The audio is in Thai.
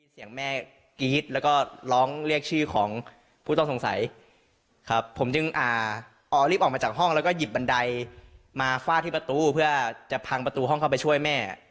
เสียงแม่กรี๊ดแล้วก็ร้องเรียกชื่อของผู้ต้องสงสัยครับผมจึงอ่าออรีบออกมาจากห้องแล้วก็หยิบบันไดมาฟาดที่ประตูเพื่อจะพังประตูห้องเข้าไปช่วยแม่